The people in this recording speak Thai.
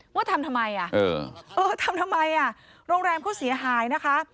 ว่าทำทำไมทำทำไมโรงแรมเขาเสียหายนะคะ